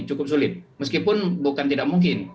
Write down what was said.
cukup sulit meskipun bukan tidak mungkin